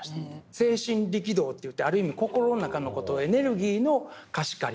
精神力動っていってある意味心の中の事をエネルギーの貸し借り。